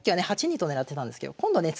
８二と金狙ってたんですけど今度ね